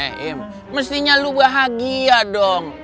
eh im mestinya lu bahagia dong